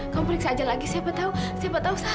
kamu periksa aja lagi siapa tahu siapa tahu salah